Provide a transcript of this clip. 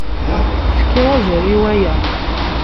Tefkid azal i waya.